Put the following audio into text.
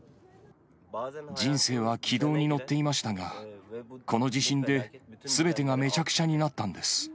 人生は軌道に乗っていましたが、この地震ですべてがめちゃくちゃになったんです。